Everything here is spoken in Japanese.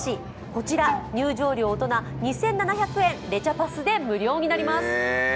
こちら入場料大人２７００円、レジャパスで無料になります。